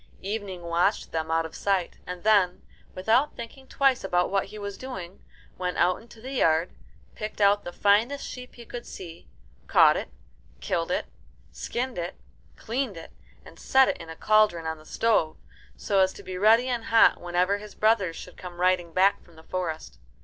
Evening watched them out of sight, and then, without thinking twice about what he was doing, went out into the yard, picked out the finest sheep he could see, caught it, killed it, skinned it, cleaned it, and set it in a cauldron on the stove so as to be ready and hot whenever his brothers should come riding back from the forest.